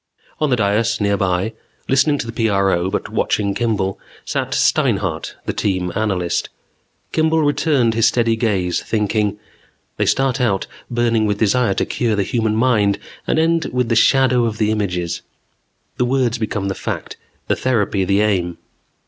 On the dais nearby, listening to the PRO, but watching Kimball, sat Steinhart, the team analyst. Kimball returned his steady gaze thinking: They start out burning with desire to cure the human mind and end with the shadow of the images. The words become the fact, the therapy the aim.